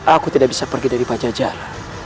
aku tidak bisa pergi dari pajajar